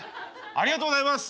ありがとうございます。